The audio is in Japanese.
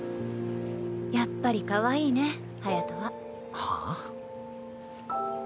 やっぱりかわいいね隼は。はあ？